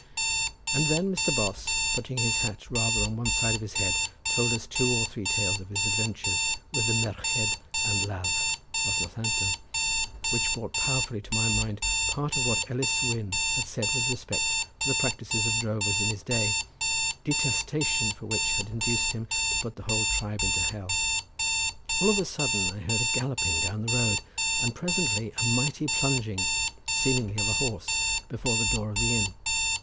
And then Mr. Bos putting his hat rather on one side of his head told us two or three tales of his adventures with the merched anladd of Northampton, which brought powerfully to mind part of what Ellis Wynn had said with respect to the practices of drovers in his day, detestation for which had induced him to put the whole tribe into Hell. All of a sudden I heard a galloping down the road, and presently a mighty plunging, seemingly of a horse, before the door of the inn.